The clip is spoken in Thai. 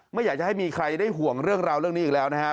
ไม่อยากจะให้มีใครได้ห่วงเรื่องราวเรื่องนี้อีกแล้วนะฮะ